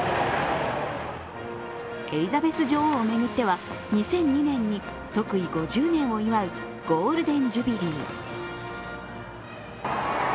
エリザベス女王を巡っては２００２年に即位５０年を祝うゴールデン・ジュビリー。